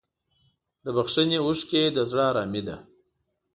د بښنې اوښکې د زړه ارامي ده.